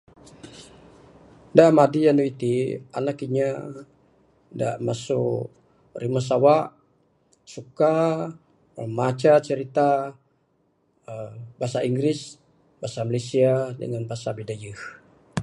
Da madi anu iti, anak inya da masu rimuh sawa suka maca cirita aa bahasa inggeris, bahasa Malaysia dangan bahasa bidayeh.